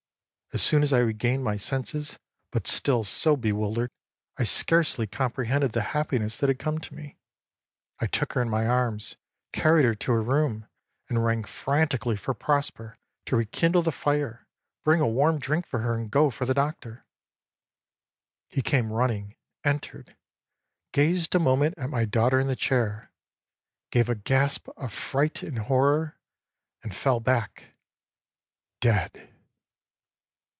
As soon as I regained my senses, but still so bewildered I scarcely comprehended the happiness that had come to me, I took her in my arms, carried her to her room, and rang frantically for Prosper to rekindle the fire, bring a warm drink for her, and go for the doctor. âHe came running, entered, gazed a moment at my daughter in the chair gave a gasp of fright and horror and fell back dead.